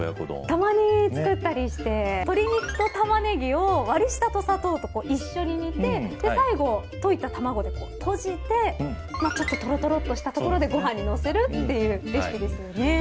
たまに作ったりして鶏肉と玉ねぎを割りしたと一緒に煮て最後、といた卵でとじてちょっと、とろとろっとしたところでご飯に乗せるというレシピですよね。